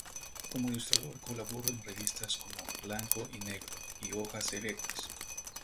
Como ilustrador colaboró en revistas como "Blanco y Negro" y "Hojas Selectas".